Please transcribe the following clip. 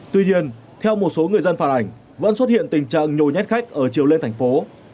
tuy nhiên theo một số người dân phản ảnh vẫn xuất hiện tình trạng nhồi nhét khách ở chiều lên thành phố